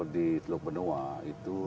di teluk benoa itu